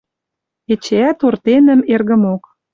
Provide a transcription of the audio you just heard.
Эчеӓт Ортенӹм эргӹмок